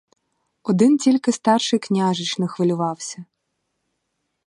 Один тільки старший княжич не хвилювався.